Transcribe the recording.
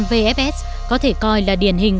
hãng phim chuyển việt nam vfs có thể coi là điển hình